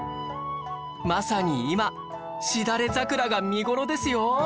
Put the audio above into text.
まさに今しだれ桜が見頃ですよ